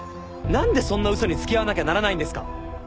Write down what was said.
なんでそんな嘘に付き合わなきゃならないんですか。